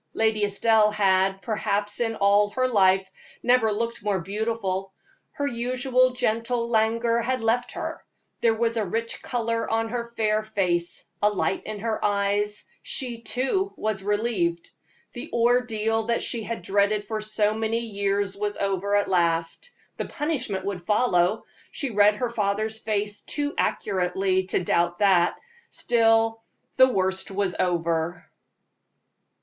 Lady Estelle had, perhaps in all her life, never looked more beautiful. Her usual gentle languor had left her; there was a rich color on her fair face, a light in her eyes she, too, was relieved. The ordeal she had dreaded for so many years was over at last the punishment would follow. She read her father's face too accurately to doubt that; still, the worst was over.